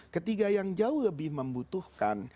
ketiga yang jauh lebih membutuhkan